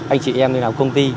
anh chị em đi làm công ty